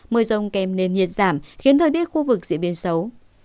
mưa rông kèm nền nhiệt giảm khiến thời đi khu vực diễn biến xấu